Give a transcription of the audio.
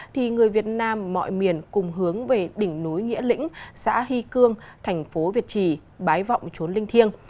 thì người việt nam mọi miền cùng hướng về đỉnh núi nghĩa lĩnh xã hy cương thành phố việt trì bái vọng trốn linh thiêng